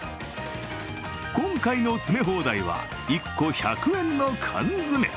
今回の詰め放題は１個１００円の缶詰。